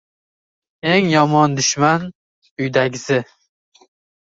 • Eng yomon dushman — uydagisi.